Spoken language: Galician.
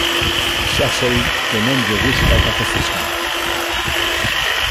Xa sei que non lle gusta o catecismo.